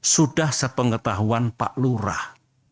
sudah sepengetahuan pak lurah